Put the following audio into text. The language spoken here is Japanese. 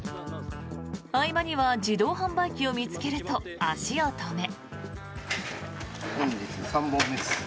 合間には自動販売機を見つけると足を止め。